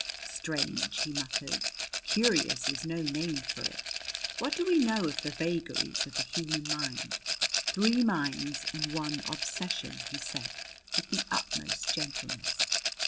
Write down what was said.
"Strange!" he muttered. "Curious is no name for it! What do we know of the vagaries of the human mind? Three minds and one obsession!" he said with the utmost gentleness.